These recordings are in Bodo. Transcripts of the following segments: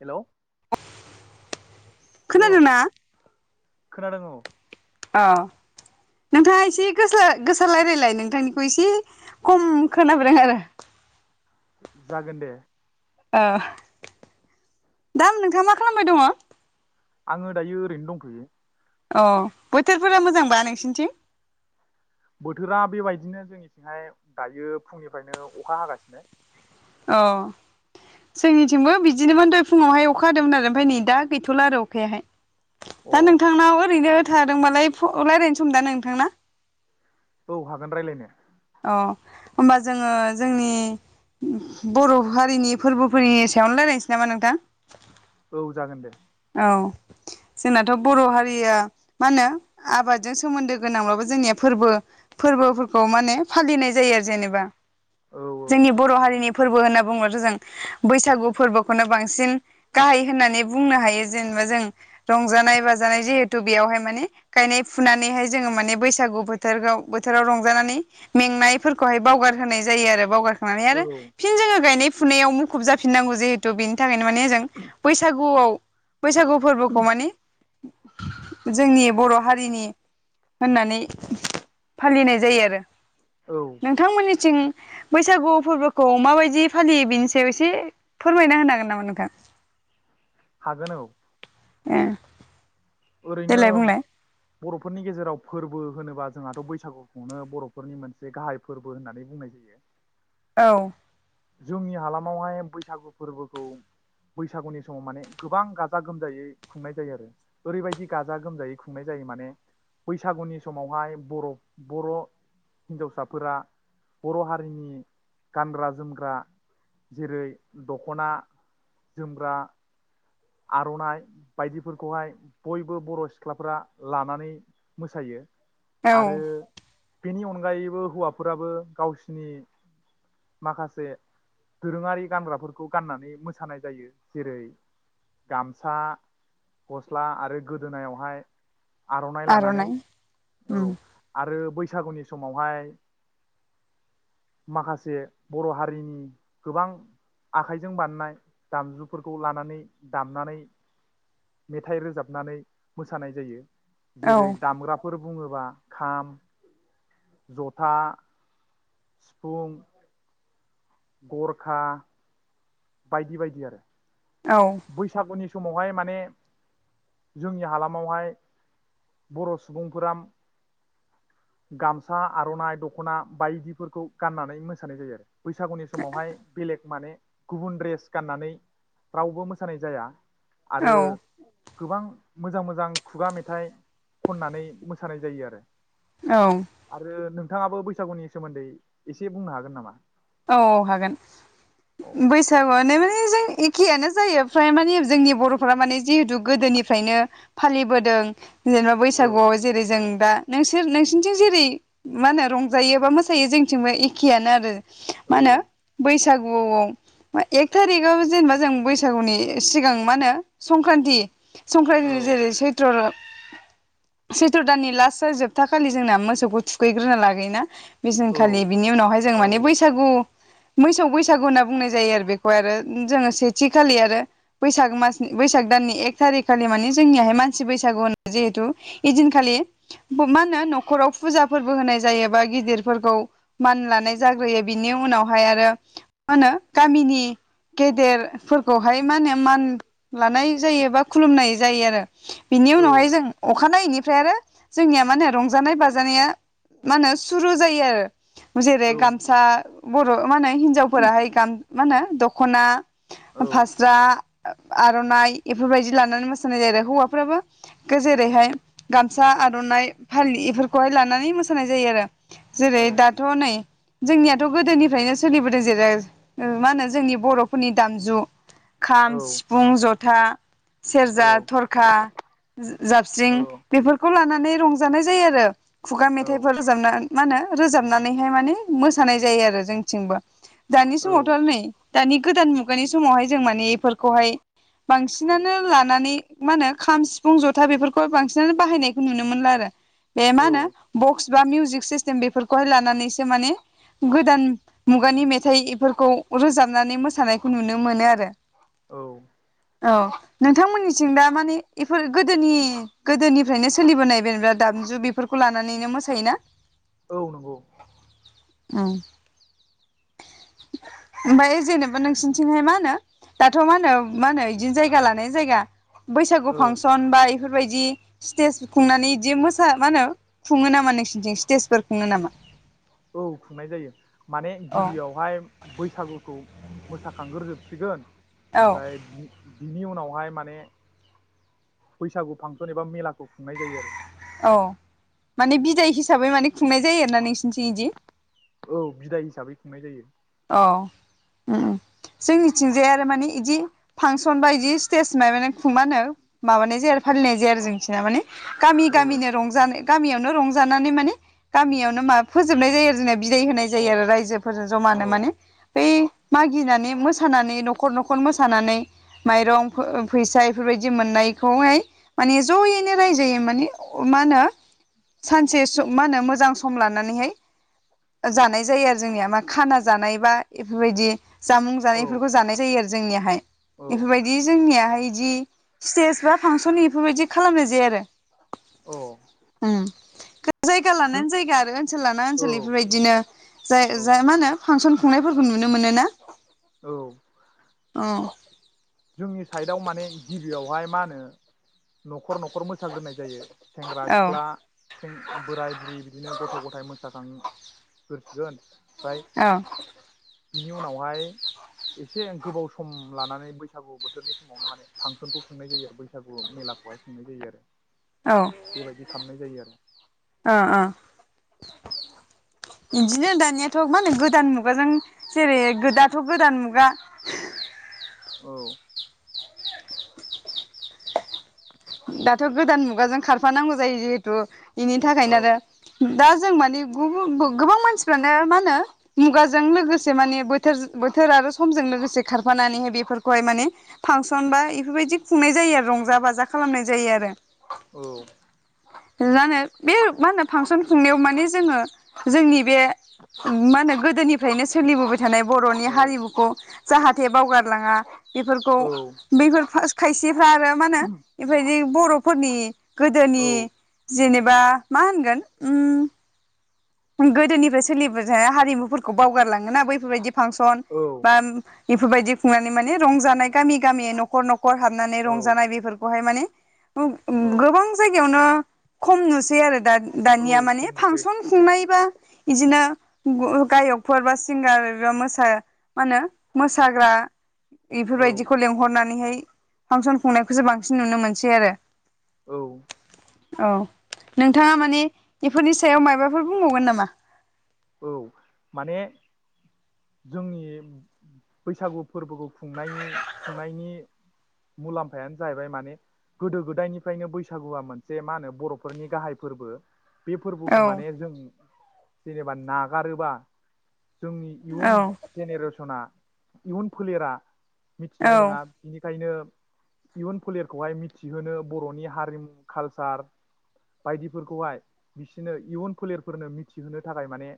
हेल'। औ खोनादों ना। खोनादों औ। औ नोंथाङा एसेस गोस्ला गोसालारायलाय नोंथांनिखौ एसे खम खोनाबोदों आरो। जागोन दे। ओ दा नोंथाङा मा खालामबाय दङ। आङो दायो ओरैनो दंथ'यो। अ बोथोरफोरा मोजांबा नोंसिनिथिं। बोथोरा बेबायदिनो जोंनिथिंहाय दायो फुंनिफ्रायनो अखा हागासिनो। अ जोंनिथिंबो बिदिनोमोन द फुङावहाय अखा हादोंमोन आरो ओमफफ्राय नै दा गैथ'ला आरो अखायाहाय। अ दा नोंथांनाव ओरैनो। थादोंबालाय फ लारायनो समदा नोंथांना। औ हागोन रायलायनो। अ होमबा जोङो जोंनि बर' हारिनि फोरबोफोरनि सायावनो राय्लायनोसै नामा नोंथां। औ जागोन दे। औ जोंनाथ' बर' हारिया मा होनो आबादजों सोमोन्दो गोनांब्लाबबो जोंनिया फोरबो फोरबोफोरखौ माने फालिनाय जायो आरो जेनेबा। औ जोंनि बर' हारिनि फोरबो होनना बुङोबो जों बैसागु फोरबोखौनो बांसिन गाहाय होननानै बुंनो हायो। जेनेबा जों रंजानाय बाजानाय जिहेथु बेयावहाय माने गायनाय फुनानैहाय जोङो माने बैसागु बोथोरखौ बोथोराव रंजानानै मेंनायफोरखौहाय बावगारहोनाय जायो आरो बावगार। माने औ आरो फिन जोङो गायनाय। फुनायाव मुखुब जाफिननांगौ जिहेथु बेनि थाखायनो माने जों बैसागुआव। बैसागु फोरबोखौ मानि। जोंनि बर' हारिनि होननानै फालिनाय जायो आरो। औ नोंथांमोननि थिं बैसागु फोरबोखौ माबायदि फालियो बेनि सायाव एसे फोरमायना होनो हागोन नामा नोंथां? हागोन औ ए ओरैनो देलाय बुंलाय बर'फोरनि गेजेराव फोरबो होनोबा जोंहाथ' बैसागुखौनो बर'फोरनि मोनसे गाहाय फोरबो होननानै बुंनाय जायो औ जोंनि हालामावहाय बैसागु फोरबोखौ बैसागुनि समाव माने गोबां गाजा गोमजायै खुंनाय जायो आरो ओरैबायदि गाजा गोमजायै खुंनाय जायो माने बैसागुनि समावहाय बर' बर' हिन्जावसाफोरा बर' हारिनि गानग्रा जोमग्रा जेरै दख'ना जोमग्रा आर'नाइ बायदिफोरखौहाय बयबो बर' सिख्लाफ्रा लानानै मोसायो औ आरो बेनि अनगायैबो हौवाफोराबो गावसिनि माखासे दोरोङारि गानग्राफोरखौ गाननानै मोसानाय जायो जेरै गामसा गस्ला आरो गोदोनायावहाय आर'नाइ लानानै औ उम आरो बैस बैसागुनि समावहाय माखासे बर' हारिनि गोबां आखाइजों बानायनाय दामजुफोरखौ लानानै दामनानै मेथाइ रोजाबनानै मोसानाय जायो। औ जेरै दामग्राफोर बुङोब्ला खाम जथा सिफुं गरखा बायदि बायदि आरो औ बैसागुनि समावहाय माने जोंनि हालामावहाय बर' सुबुंफोरा गामसा आर'नाइ दख'ना बायदिफोरखौ गाननानै मोसानाय जायो आरो बैसागुनि समावहाय बेलेग माने गुबुन द्रेस गाननानै रावबो मोसानाय जाया। आरो औ गोबां मोजां मोजां खुगा मेथाइ खननानै मोसानाय जायो आरो आरो नों नोंथाङाबो बैसागुनि सोमोन्दै एसे बुंनो हागोन नामा? औ औ हागोन अ दे बैसागुआनो जों एखेयानो जायो फ्राय माने जोंनि बर'फ्रा माने जिहेतु गोदोनिफ्रायनो फालिबोदों। जेनेबा औ बैसागुआव जेरै जों बा नोंसोर नोंसिनिथिं जेरै मा होनो रंजायो बा मोसायो जोंथिंबो एखेयानो आरो मा औ होनो बैसा बैसागुआव एक थारिकआव जेनेबा जों बैसागुनि सिगां मा होनो संक्रान्ति औ संक्रान्ति जेरै सैत्र सैथ्र' दाननि लास्ट जोबथा खालि जोंना मोसौखौ थुखैग्रोना लाग्रोयोना बे औ दिनखालि बि उनावहाय जों माने औ बै मोसौ बैसागु होनना बुंनाय जायो आरो बेखौ जोङो सेथि खालि आरो बैसाग मास बैसाग दाननि एक थारि खालि मानि जोंनिहाय मानसि बैसागु जेहुतु दिनखालि मा होनो न'खाव फुजा फोरबो होनाय जायोबा गिदिरफोरखौ मान लानाय जाग्रोयो। बिनि उनावहाय आरो मा होनो गामिनि गेदेरफोरखौहाय मा होनो मान लानाय जायो बा खुलुमनाय जायो आरो। बिनि औ उनावहाय जों अखानायैनि ओमफ्राय आरो जोंनिया मा रंजानाय बाजानाया मा होनो सुरु जायो आरो। जेरै गामसा औ बर' मा होनो हिनजावफोराहाय गा मा होनो दख'ना फास्रा आर'नाइ बेफोर बायदि लानानै मोसानाय जायो आरो हौवाफ्राबो जेरैहाय गामसा आर'नाइ फालि बेफोरखौहाय लानानै मोसानाय जायो आरो। जेरै दाथ' नै जोंनिया। गोदोनिफ्रायनो सोलिबोदों जेरै मा होनो जोंनि बर'फोरनि दामजु। खाम सिफुं जथा जथा। औ नंगौ औ सेरजा थरखा जाबस्रिं औ बेफोरखौ लानानै - नानै रंजानाय जायो आरो खुगा औ मेथाइफोर रोजाबना मा होनो रोजाबनानैहाय माने मो सानाय जायो आरो जोंनिथिंबो दानि औ समावथ' आरो नै दानि गोदान मुगानि समावहाय जों माने बेफोरखौहाय बांसिनानो लानानै मा होनो खाम सिफुं जथा बेफोरखौाय बांसिनानो बाहायनायखौ नुनो मोनला आरो बे मा होनो औ बक्स बा मिउजिक सिस्टेम बेफोरखौहाय लानानैसो माने गोदान मुगानि मेथाइ बेफोरखौ रोजाबनानै मोसानायखौ नुनो मोनो आरो। औ औ नोंथांमोननिथिं दा माने बेफोर गोदोनि गोदोनिफ्रायनो सोलिबोनाय बेेनेबा दामजु बेफोरखौ लानानैनो मोसायोना? औ नंगौ। औ ओमफ्राय जेनेबा नोंसिनिथिंहाय मा होनो दाथ मा होनो मा होनो बिदिनो जायगा लानाय जायगा बैसागु औ फांसन बा बेफोरबायदि स्टेज खुंनानै बिदि मोसा मा होनो खुङो नामा नोंसोरनिथिं स्टेजफोर खुङो नामा? औ खुंनाय जायो। माने औ गिबियावहाय बैसागुखौ मोसाखांग्रोजोबसिगोन औ ओमफ्राय बिनि उनावहाय माने बैसागु फांसन एबा मेलाखौ खुंनाय जायो आरो। औ माने बिदाय हिसाबै माने खुंनाय जायो आरोना नोंसिनिथिं बिदि? औ बिदाय हिसाबै खुंनाय जायो। अ जोंनिथिंजाय आरो माने बिदि फांसन बा बिदि स्टेज मायबा खुंनाय माबानाय जाया आरो फालिनाय जाया आरो जोंनिथिं माने। गामि औ गामिनो रंजानाय गामियावनो रंजानानै माने गामियावनो मा फोजोबनाय जायो आरो जोंनिया बिदाय होनाय जायो आरो अ रायजोफोरजों औ जमानो बै मागिनानै मोसानानै नखर नखर मोसानानै माइरं फैसा बेफोरबायदि मोननायखौहाय माने जयैनो रायजायै माने मा होनो सानसे मा होनो मोजां सम लानानैहाय जानाय जायो आरो जोंनिया मा खाना जानाय बा बेफोरबायदि जामुं जानायफोरखौ जानाय जायो आरो। जोंनियाहाय औ बेफोरबायदि जोंनिया बिदि स्टेज बा फांसन बेफोरबायदि खालामनाय जाया आरो। औ अ जायगा जों लानानै जायगा आरो ओनसोल लाना औ ओनसोल बेफोरबायदिनो जाय औ जाय मा होनो फांसन खुंनायफोरखौ नुनो मोनो ना? औ अ जोंनि साइडआव माने गिबियावहाय मा होनो नखर नखर मोसाग्रोननाय जायो सेंग्रा- सिख्ला सें बोराय- बुरि बिदिनो गथ' गथाय मोसाखां [unintelligible] औ। बिनि उनावहाय एसे गोबाव सम लानानै बैसागु बो थोरनि समावनो माने फांसनखौ खुंनाय जायो आरो बैसागु मेलाखौहाय खुंनाय जायो आरो। बेबायदि खालामनाय जायो आरो। अ अ बिदिनो दानियाथ' मा होनो गोदान मुगाजों जेरै गो दाथ' गोदान मुगा औ दाथ'गोदान मुगाजों खारफानांगौ जायो जिहेथु बेनि थाखायनो आरो दा जों माने [unintelligible] गोबां मानसिफ्रानो मा होनो मुगाजों लोगोसे माने बोथोर बोथोर आरो समजों लोगोसे खाराफानानै बेफोरखौहाय माने फांसन बा बेफोरबायदि खुंनाय जायो आरो रंजा बाजा। खालामनाय जायो आरो औ [unintelligible] बे मा होनो फांसन खुंनायाव माने जोङो जोंनि बे मा होनो गोदोनिफ्रायनो सोलिबोबाय थानाय बर'नि औ हारिमुखौ। जाहाथे बावगारलाङा। बेफोरखौ औ बैफोर फास्त। खायसेफ्रा आरो मा ओनो। इफोबायदि बर'फोरनि। गोदोनि। औ जिनेबा मा होनगोन ओम। गोदोनिफाय सोलिबो जाया हारिमुफोरखौ बावगारलाङोना बैफोरबायदिब फांसन औ बान। बेफोरबायदि खुंनानै माने रंजानाय गामि गामि न'खर न'ख। कर हाबनानै औ रंजानाय बेफोरख। बहाय माने ओमक औ ओ गोबां जायगायावनो खम नुसै आरो दाद। औ दानिया माने खमनोसै फांसन। [unintelligible] इजिनो ग'-गायकफोर बा सिंगार ओरो मोसा मा होनो मोसाग्रा औ बेफोरबायदिखौ लेंंहरनानैहाय फांसन खुंनायखौसो बांसिन नुनो मोनसै आरो। औ। औ नोंथाङा माने इफोरनि सायाव मायबाब बफोर बुंबावगोन नामा? औ माने जोंनि बैसागु फोरबोखौ खुंनायनि खुंनायनि मुलाम्फायानो जाहैबाय माने गोदो गोदायनिफ्रायनो बैसागुआ मोनसे मा ओनो बर'फोरनि गाहाय फोरबो। बे औ फोरबोखौ माने जों [unintelligible] बा नागारोबा। जोंनि इयुन औ जेनेरेसना। इयुन फोलेरा। औ मिथिनाय नोंङा बिनिखायनो। इयुन फोलेरखौहाय मिथिहोनो बर'नि हारिमु खालचार बायदिफोरखौहाय बिसोरनो इयुन फोलेरफोरनो मिथि होनो थाखाय माने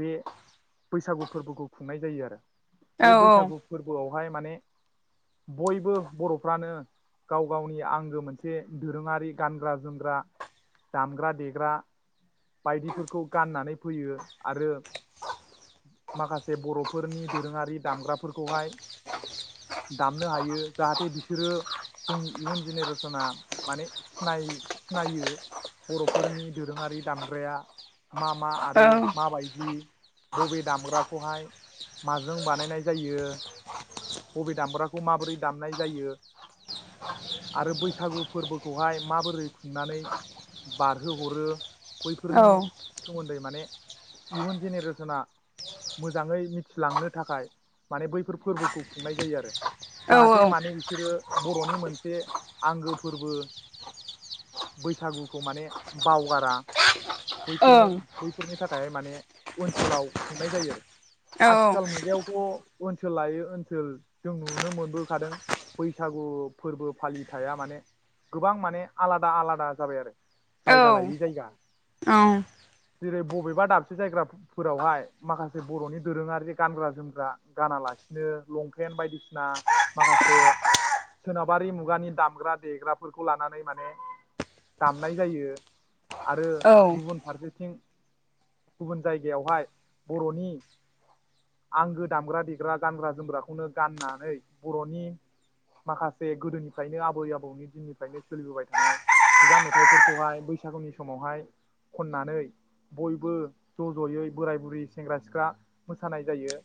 बे बैसागु फोरबोखौ खुंनाय जायो आरो। बे बैसागु फोरबोआव बेवहाय माने बयबो बर'फ्रानो गाव गावनि आंगो मोनसे दोरोङारि गानग्रा जोमग्रा दामग्रा देग्रा बायदिफोरखौ गाननानै फैयो आरो, माखासे बर'फोरनि दोरोङारि दामग्राफोरखौहाय दामनो हायो जाहाथे बिसोरो जोंनि इयुन जेनेरेसना माने नाय सिनायो बर'फोरनि दोरोङारि दामग्राया मा मा आद होयो माबायदि बबे दामग्राखौहाय माजों बानायनाय जायो, बबे दामग्राखौ माबोरै दामनाय जायो, आरो बैसागु फोरबोखौहाय माबोरै खुंनानै बारहोहरो? औ बैफोरनि सोमोन्दै माने। इउन जेनेरेसना मोजाङै मिथिलांनो थाखाय माने बैफोर फोरबोखौ खुंनाय जायो आरो। औ जाहाथे माने बिसोरो बर'नि मोनसे आंगो फोरबो बैसागुखौ माने बावगारा। बैफोरो ओं बैफ फोरनि थाखाय माने ओनसोलाव खुंनाय जायो आरो। औ आथिखाल मुगायावथ' ओनसोल लायै ओनसोल जों नुनो मोनबोखादों बैसागु फोर्बो फालिथाया माने गोबां माने आलादा आलादा जाबाय आरो। जायगा लायै औ जायगा। जेरै बबेबा दाबसे जायग्राफोरावहाय माखासे बर'नि दोरोङारि गानग्रा जोमग्रा गानालासिनो लंपेन्ट बायदिसिना माखासे सोनाबारि मुगानि दामग्रा देग्राफोरखौ लानानै माने दामनाय जायो। आरो गुबुन फारसे थिं गुबुन जायगायावहाय बर'नि, आंगो दामग्रा देग्रा गानग्रा जोमग्राखौनो गाननानै बर'नि माखासे गोदोनिफ्रायनो आबै आबौनि दिननिफ्रायनो सोलिबोबाय थानाय खुगा मेथाइफोरखौहाय बैसागुनि समावहाय खननानै बयबो ज' ज'यै बोराय बुरै सेंग्रा सिख्ला मोसानाय जायो।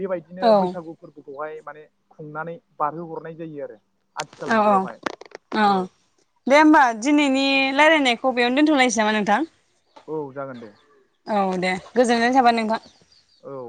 बेबायदिनो औ बैसागु फोर्बो खौहाय माने खुंनानै बारहोहरनाय जायो आरो। आथिखाल औ औ, मुगायावहाय औ दे होमबा दिनैनि रायलायनाय खौ बेयावनो दोनथ'लायनोसै नामा नोंथां? औ जागोन दे [inaudible] औ दे गोजोननाय औ थाबाय नोंथां। औ